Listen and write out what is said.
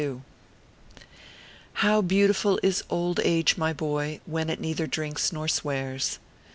How beautiful is Old Age, ray boy, when it neither drinks nor swears.